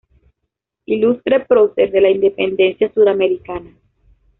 Ilustre Prócer de la Independencia Suramericana.